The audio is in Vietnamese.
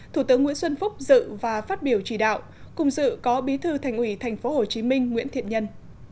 thủ tướng nguyễn xuân phúc dự và phát biểu chỉ đạo cùng dự có bí thư thành ủy tp hcm nguyễn thiện nhân